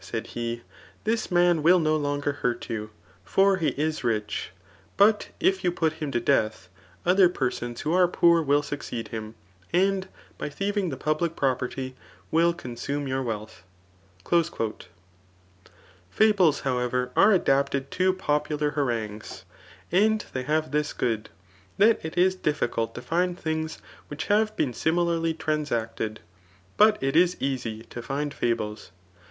sai^ he, this man will no longer hurt you ; for be is.rich^ but if you put him to des^th, other persons who are poor will succeed him, and by diieving the pub* lie property, will consume your wealth/' Fables, however, are adapted to popular harangues, and they have this good, that it is difficult to find things which have been similarly transacted ; but it is easy to find fables.'